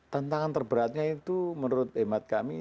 tantangan terberatnya itu menurut hemat kami